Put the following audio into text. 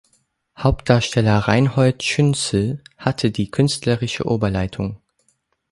Hauptdarsteller Reinhold Schünzel hatte die künstlerische Oberleitung.